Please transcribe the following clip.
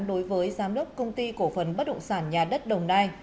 đối với giám đốc công ty cổ phần bất động sản nhà đất đồng nai